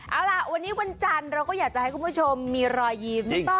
เอาล่ะวันนี้วันจันทร์เราก็อยากจะให้คุณผู้ชมมีรอยยิ้ม